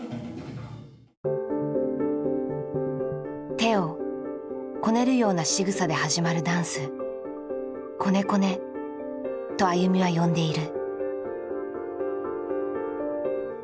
手をこねるようなしぐさで始まるダンス「こねこね」とＡＹＵＭＩは呼んでいる。